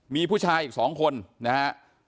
มีผู้ชายอีก๒คนนะฮะ